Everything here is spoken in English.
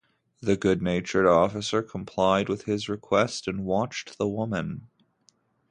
The good-natured officer complied with his request and watched the woman.